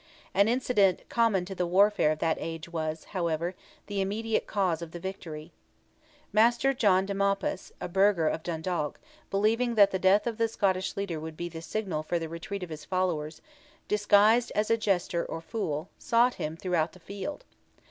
An incident common to the warfare of that age was, however, the immediate cause of the victory. Master John de Maupas, a burgher of Dundalk, believing that the death of the Scottish leader would be the signal for the retreat of his followers, disguised as a jester or fool, sought him throughout the field.